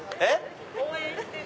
応援してる！